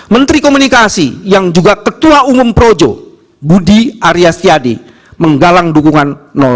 menteri komunikasi yang juga ketua umum projo budi ariastiadi menggalang dukungan dua